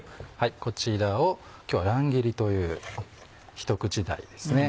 こちらを今日は乱切りというひと口大ですね。